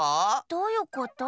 どういうこと？